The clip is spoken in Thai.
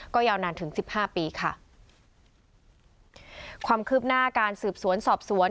ก็ยาวนานถึงสิบห้าปีค่ะความคืบหน้าการสืบสวนสอบสวน